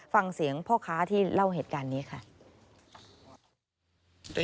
ฟังเสียงพ่อค้าที่เล่าเหตุการณ์นี้ค่ะ